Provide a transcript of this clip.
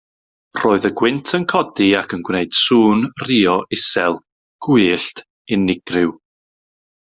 Roedd y gwynt yn codi ac yn gwneud sŵn rhuo isel, gwyllt, unigryw.